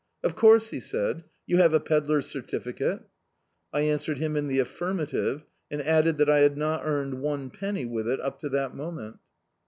"Of course," he said, "you have a pedlar's certificated" I answered him in the affirmative, and added that I had not earned one penny with it up to that moment.